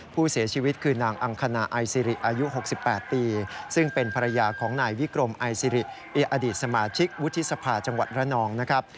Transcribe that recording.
ผู้เสียชีวิตคือนางอังคณาไอซิริอายุ๖๘ปีซึ่งเป็นภรรยาของนายวิกรมไอซิริอดีตสมาชิกวุฒิสภาจังหวัดระนองนะครับ